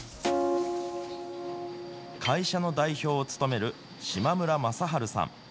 会社の代表を務める島村雅晴さん。